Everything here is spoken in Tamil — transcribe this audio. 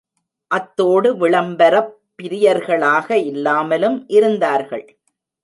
அத்தோடு, விளம்பரப் பிரியர்களாக இல்லாமலும் இருந்தார்கள்.